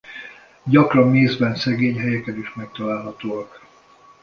Gyakran mészben szegény helyeken is megtalálhatóak.